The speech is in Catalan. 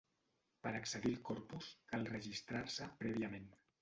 Per accedir al corpus cal registrar-se prèviament.